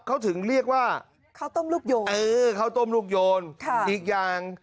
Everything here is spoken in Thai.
เขาถึงเรียกว่าข้าวต้มลูกโยนเออข้าวต้มลูกโยนค่ะอีกอย่าง